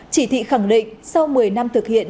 chỉ thị khẳng định sau một mươi năm thực hiện